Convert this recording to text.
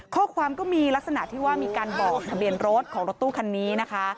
ก็มีลักษณะที่ว่ามีการบอกทะเบียนรถของรถตู้คันนี้นะคะ